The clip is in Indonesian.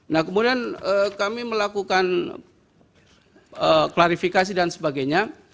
nah kemudian kami melakukan klarifikasi dan sebagainya